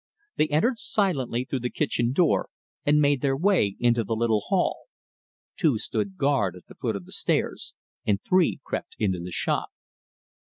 They entered silently through the kitchen window, and made their way into the little hall. Two stood guard at the foot of the stairs, and three crept into the shop.